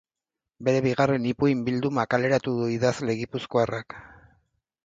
Bere bigarren ipuin bilduma kaleratu du idazle gipuzkoarrak.